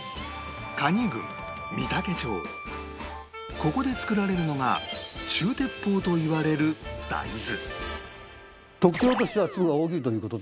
ここで作られるのが中鉄砲といわれる大豆